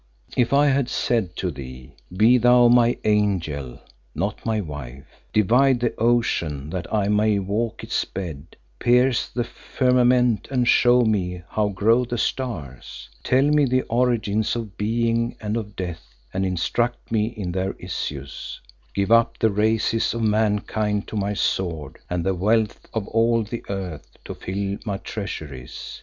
"If I had said to thee: Be thou my angel, not my wife; divide the ocean that I may walk its bed; pierce the firmament and show me how grow the stars; tell me the origins of being and of death and instruct me in their issues; give up the races of mankind to my sword, and the wealth of all the earth to fill my treasuries.